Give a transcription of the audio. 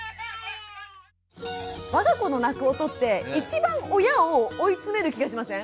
我が子の泣く音って一番親を追い詰める気がしません？